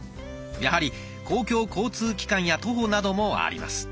やはり公共交通機関や徒歩などもあります。